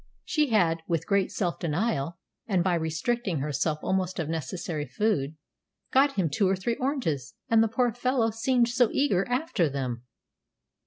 She had, with great self denial, and by restricting herself almost of necessary food, got him two or three oranges; and the poor fellow seemed so eager after them!"